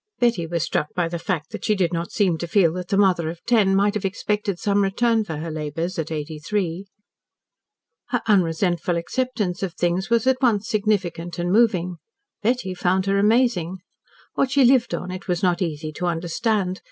Betty was struck by the fact that she did not seem to feel that the mother of ten might have expected some return for her labours, at eighty three. Her unresentful acceptance of things was at once significant and moving. Betty found her amazing. What she lived on it was not easy to understand.